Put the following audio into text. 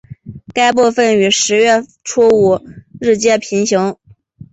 该部份与十月初五日街平行。